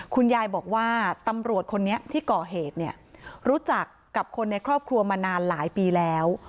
คุณยายบอกว่าตำรวจคนนี้ที่ก่อเหตุเนี่ยรู้จักกับคนในครอบครัวมานานหลายปีแล้ว